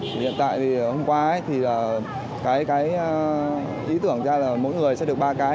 hiện tại vì hôm qua thì cái ý tưởng ra là mỗi người sẽ được ba cái